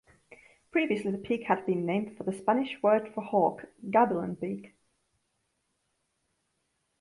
Previously the peak had been named for the Spanish word for hawk, Gabilan Peak.